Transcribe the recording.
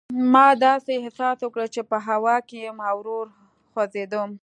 ما داسې احساس وکړل چې په هوا کې یم او ورو خوځېدم.